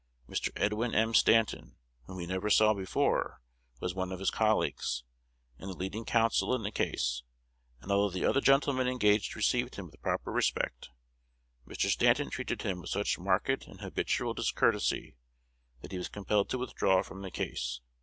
Mr. Edwin M. Stanton, whom he never saw before, was one of his colleagues, and the leading counsel in the case; and although the other gentlemen engaged received him with proper respect, Mr. Stanton treated him with such marked and habitual discourtesy, that he was compelled to withdraw from the case.